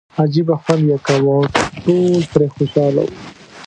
عجیبه خوند یې کاوه او ټول پرې خوشاله وو.